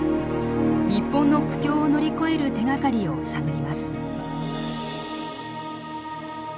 日本の苦境を乗り越える手がかりを探ります。